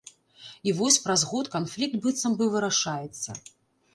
І вось праз год канфлікт быццам бы вырашаецца.